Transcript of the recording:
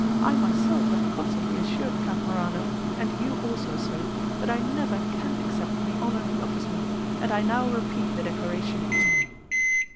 I myself have constantly assured Count Morano, and you also, sir, that I never can accept the honour he offers me, and I now repeat the declaration."